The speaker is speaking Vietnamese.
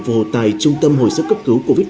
phù hộ tại trung tâm hồi sức cấp cứu covid một mươi chín